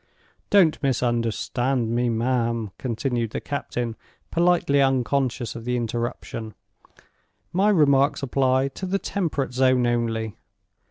"Don't misunderstand me, ma'am," continued the captain, politely unconscious of the interruption. "My remarks apply to the temperate zone only.